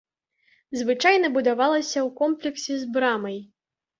Звычайна будавалася ў комплексе з брамай.